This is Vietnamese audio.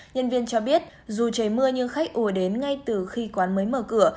nhân viên cho biết dù trời mưa nhưng khách ùa đến ngay từ khi quán mới mở cửa